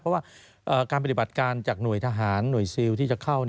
เพราะว่าการปฏิบัติการจากหน่วยทหารหน่วยซิลที่จะเข้า